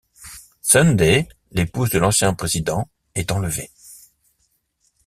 Sunday, l'épouse de l'ancien Président est enlevée.